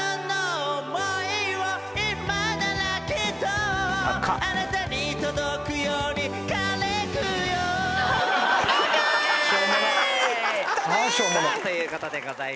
さあということでございまして。